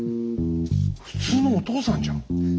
普通のお父さんじゃん。